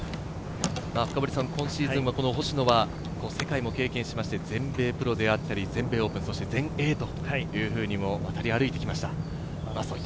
今シーズンの星野は世界も経験しまして全米プロであったり、全米オープン、全英というふうに渡り歩いてきました。